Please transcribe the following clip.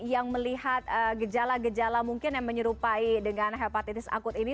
yang melihat gejala gejala mungkin yang menyerupai dengan hepatitis akut ini